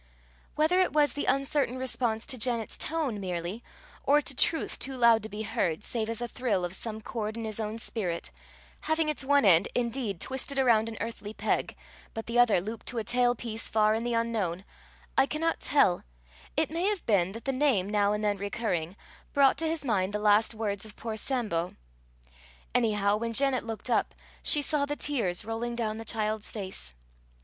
Whether it was the uncertain response to Janet's tone merely, or to truth too loud to be heard, save as a thrill, of some chord in his own spirit, having its one end indeed twisted around an earthly peg, but the other looped to a tail piece far in the unknown I cannot tell; it may have been that the name now and then recurring brought to his mind the last words of poor Sambo; anyhow, when Janet looked up, she saw the tears rolling down the child's face.